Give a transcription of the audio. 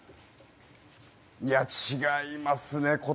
違いますね。